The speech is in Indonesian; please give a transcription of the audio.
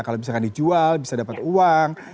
kalau misalkan dijual bisa dapat uang